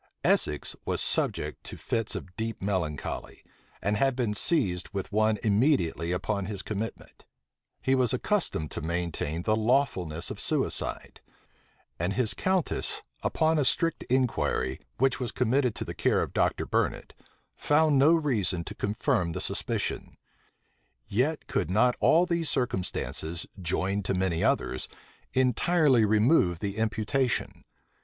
Essex was subject to fits of deep melancholy, and had been seized with one immediately upon his commitment: he was accustomed to maintain the lawfulness of suicide: and his countess upon a strict inquiry, which was committed to the care of Dr. Burnet, found no reason to confirm the suspicion: yet could not all these circumstances, joined to many others, entirely remove the imputation.